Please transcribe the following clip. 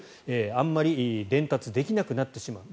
あまり伝達できなくなってしまう。